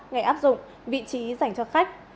ngày áp dụng vị trí dành cho khách